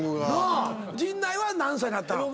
陣内は何歳になったの？